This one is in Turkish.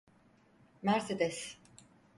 Mercedes…